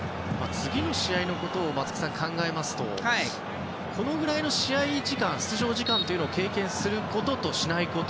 次の試合のことを考えますとこのぐらいの試合時間、出場時間というのを経験することと、しないこと。